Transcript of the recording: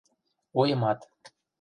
Ойымат